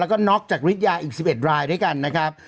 แล้วก็น็อกจากฤทยาอีก๑๑รายด้วยกันนะครับ